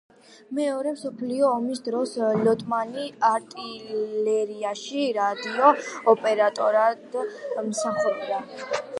მეორე მსოფლიო ომის დროს ლოტმანი არტილერიაში რადიო ოპერატორად მსახურობდა.